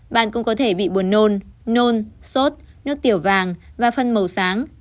bạn cũng có thể bị buồn nôn nôn sốt nước tiểu vàng và phân màu sáng